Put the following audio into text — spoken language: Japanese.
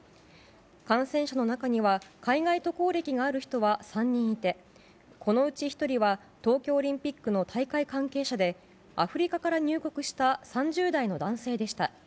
感染者の中には海外渡航歴がある人は３人いてこのうち１人は東京オリンピックの大会関係者でアフリカから入国した３０代の男性でした。